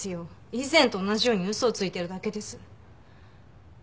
以前と同じように嘘をついてるだけです。